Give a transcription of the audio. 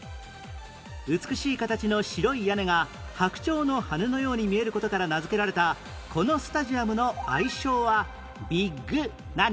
美しい形の白い屋根が白鳥の羽のように見える事から名付けられたこのスタジアムの愛称はビッグ何？